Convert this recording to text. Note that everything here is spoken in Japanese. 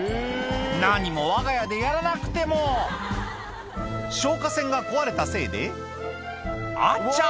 何もわが家でやらなくても消火栓が壊れたせいであちゃ！